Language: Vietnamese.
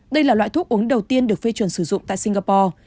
đây là loại thuốc uống đầu tiên được phê chuẩn sử dụng tại singapore